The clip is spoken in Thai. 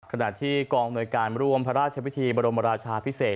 ขณะที่กองอำนวยการร่วมพระราชพิธีบรมราชาพิเศษ